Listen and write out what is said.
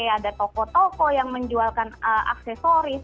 ada toko toko yang menjualkan aksesoris